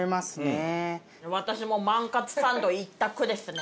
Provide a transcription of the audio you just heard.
私も万かつサンド一択ですね。